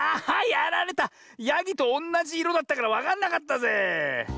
やぎとおんなじいろだったからわかんなかったぜえ。